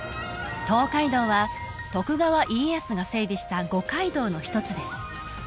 東海道は徳川家康が整備した五街道の一つです